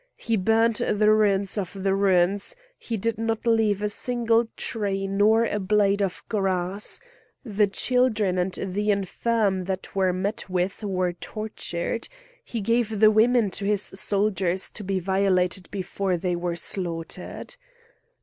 He burnt the ruins of the ruins, he did not leave a single tree nor a blade of grass; the children and the infirm, that were met with, were tortured; he gave the women to his soldiers to be violated before they were slaughtered.